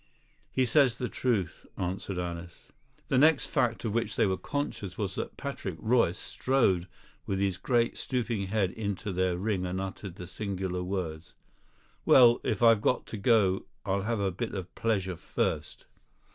"He says the truth," answered Alice. The next fact of which they were conscious was that Patrick Royce strode with his great stooping head into their ring and uttered the singular words: "Well, if I've got to go, I'll have a bit of pleasure first."